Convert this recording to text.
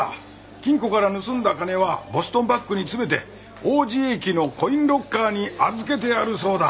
金庫から盗んだ金はボストンバッグに詰めて王子駅のコインロッカーに預けてあるそうだ。